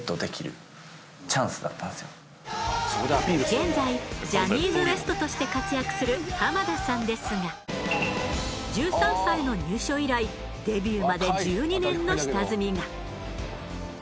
現在ジャニーズＷＥＳＴとして活躍する田さんですが１３歳の入所以来デビューまで１２年の下積みが。